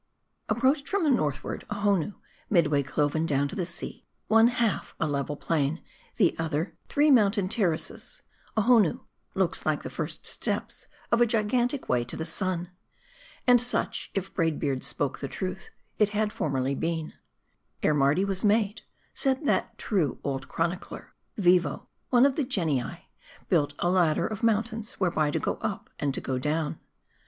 APPROACHED from the northward, Ohonoo, midway cloven down to the sea, one half a level plain ; the other, three mountain terraces Ohonoo looks like the first steps of a gigantic way to the sun. And such, if Braid Beard spoke truth, it had formerly been. " Ere Mardi was made," said that true old chronicler, " Vivo, one of the genii, built a ladder of mountains whereby to go up and go tlown.